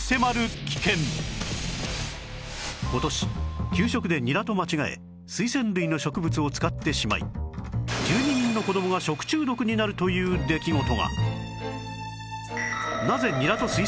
今年給食でニラと間違えスイセン類の植物を使ってしまい１２人の子どもが食中毒になるという出来事が